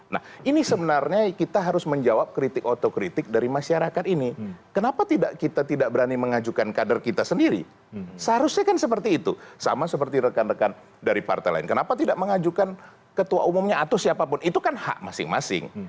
nah ini sebenarnya kita harus menjawab kritik otokritik dari masyarakat ini kenapa kita tidak berani mengajukan kader kita sendiri seharusnya kan seperti itu sama seperti rekan rekan dari partai lain kenapa tidak mengajukan ketua umumnya atau siapapun itu kan hak masing masing